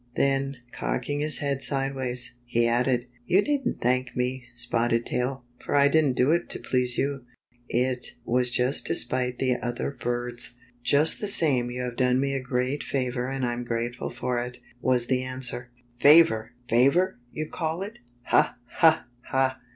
Then, cocking his head sideways, he added: '' You needn't thank me. Spotted Tail, for I didn't do it to please you. It was just to spite the other birds." ''Just the same you have done me a great favor, and I'm grateful for it," was the answer. " Favor ! Favor, you call it ! Ha ! Ha ! Ha